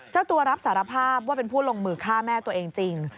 เจ้าตัวรับสารภาพว่าเป็นผู้ลงมือฆ่าแม่ตัวเองจริง